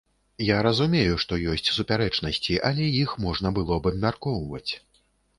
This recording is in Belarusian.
Я разумею, што ёсць супярэчнасці, але іх можна было б абмяркоўваць.